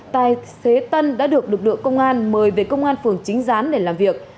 tài xế tân đã được lực lượng công an mời về công an phường chính gián để làm việc